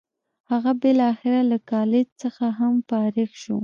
هغه بالاخره له کالج څخه هم فارغ شو.